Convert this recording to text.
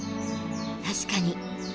確かに。